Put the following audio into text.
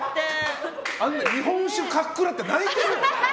日本酒かっくらって泣いてるじゃん。